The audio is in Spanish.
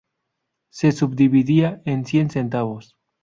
Se subdividía en cien centavos.